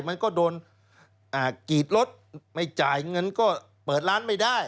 มันก็โดนกรีดรถไม่จ่ายเงินก็เปิดร้านไม่ได้